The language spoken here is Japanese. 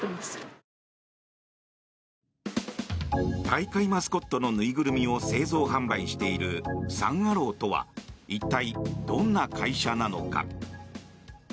大会マスコットの縫いぐるみを製造・販売しているサン・アローとは一体どんな会社なのか。